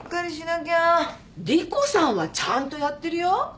莉湖さんはちゃんとやってるよ。